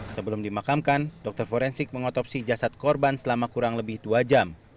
sebelum dimakamkan dokter forensik mengotopsi jasad korban selama kurang lebih dua jam